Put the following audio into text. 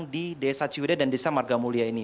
di desa ciwide dan desa marga mulia ini